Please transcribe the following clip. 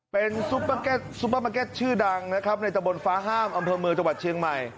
เป็นซุปเปอร์มาร์เก็ตชื่อดังนะครับในตะบนฟ้าห้ามอำเภอเมืองจังหวัดเชียงใหม่